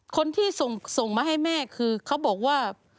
คนที่ส่งมาให้แม่คือเขาบอกว่า